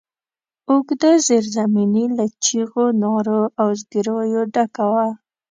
اوږده زېرزميني له چيغو، نارو او زګرويو ډکه وه.